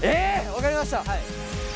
分かりました。